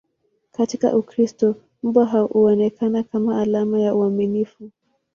Katika Ukristo, mbwa huonekana kama alama ya uaminifu.